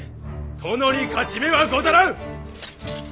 殿に勝ち目はござらん！